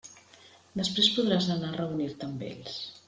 Després podràs anar a reunir-te amb ells.